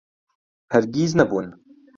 هەرگیز نەبوون.